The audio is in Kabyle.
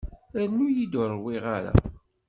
Rnu-yi-d ur ṛwiɣ ara.